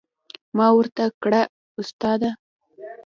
ما ورته کړه استاده.